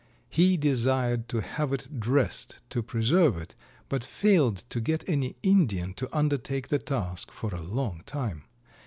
He desired to have it dressed to preserve it, but failed to get any Indian to undertake the task for a long time.